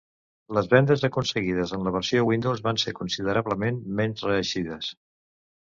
Les vendes aconseguides en la versió Windows van ser considerablement menys reeixides.